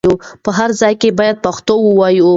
په هر ځای کې بايد پښتو ووايو.